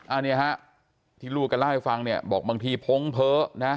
อันนี้ฮะที่ลูกก็เล่าให้ฟังเนี่ยบอกบางทีพงเพ้อนะ